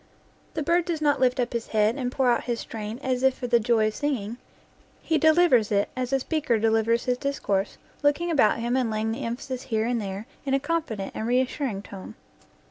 The bird does not lift up his head and pour out his strain as if for the joy of singing; he delivers it as a speaker delivers his discourse, looking about him and laying the emphasis here and there in a con fident and reassuring tone.